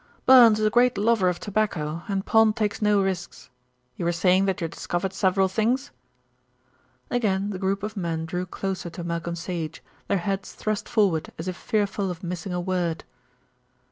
"Burns is a great lover of tobacco, and Pond takes no risks. You were saying that you had discovered several things?" Again the group of men drew closer to Malcolm Sage, their heads thrust forward as if fearful of missing a word.